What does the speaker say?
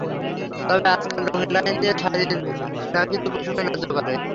তবে আজকাল রঙিন লাইন দিয়া শশীর ঢাকিতে কুসুমের লজ্জা করে।